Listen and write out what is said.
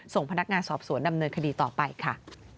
ส่งพนักงานสอบสวนดำเนินคดีต่อไปค่ะ